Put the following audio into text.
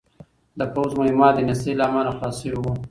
د پوځ مهمات د نېستۍ له امله خلاص شوي وو.